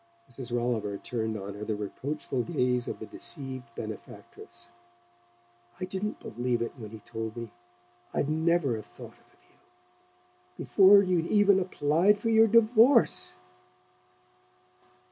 Mrs. Rolliver turned on her the reproachful gaze of the deceived benefactress. "I didn't believe it when he told me; I'd never have thought it of you. Before you'd even applied for your divorce!"